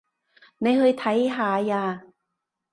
你去睇下吖